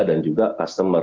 dan juga customer